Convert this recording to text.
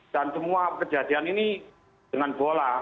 dan semua kejadian ini dengan bola